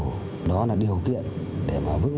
đó là điều kiện để vững vàng kiên định về lập trường tư tưởng